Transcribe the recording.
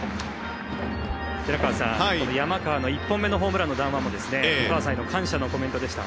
寺川さん、山川の１本目のホームランの談話もお母さんへの感謝のコメントでした。